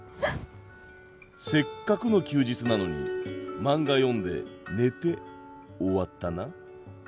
せっかくの休日なのに漫画読んで寝て終わったな。